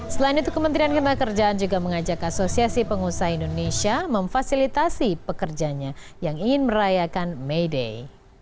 selain itu kementerian ketenagakerjaan juga mengajak asosiasi pengusaha indonesia memfasilitasi pekerjanya yang ingin merayakan may day